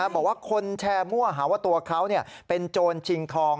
บอกว่าคนแชร์มั่วหาว่าตัวเขาเป็นโจรชิงทอง